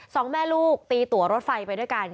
สองแม่ลูกตีตัวรถไฟไปด้วยกัน